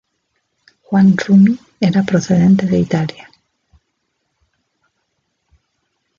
Juan Rumi era procedente de Italia.